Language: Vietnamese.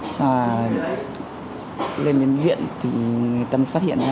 xong rồi lên đến viện thì tầm phát hiện ra